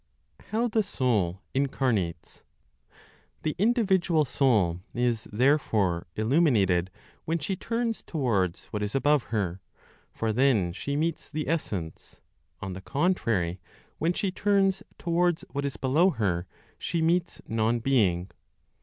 HOW THE SOUL INCARNATES. The individual soul is therefore illuminated when she turns towards what is above her; for then she meets the essence; on the contrary, when she turns towards what is below her, she meets non being.